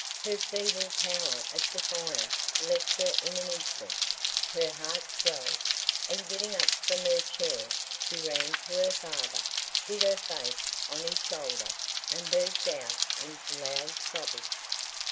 Her feeble power of defiance left her in an instant, her heart swelled, and getting up from her chair, she ran to her father, hid her face on his shoulder, and burst out into loud sobbing.